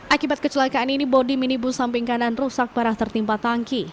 akibat kecelakaan ini bodi minibus samping kanan rusak parah tertimpa tangki